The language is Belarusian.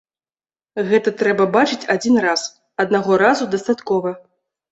Гэта трэба бачыць адзін раз, аднаго разу дастаткова.